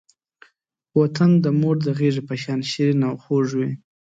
وطن د مور د غېږې په شان شیرین او خوږ وی.